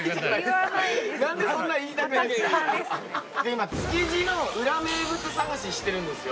今築地の裏名物探ししてるんですよ。